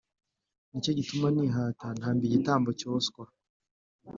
Nicyo gitumye nihata ntamba igitambo cyoswa.